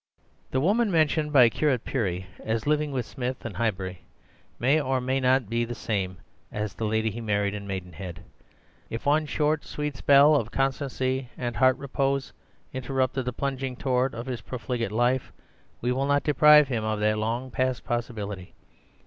"The woman mentioned by Curate Percy as living with Smith in Highbury may or may not be the same as the lady he married in Maidenhead. If one short sweet spell of constancy and heart repose interrupted the plunging torrent of his profligate life, we will not deprive him of that long past possibility.